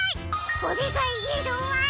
これがイエローアイ！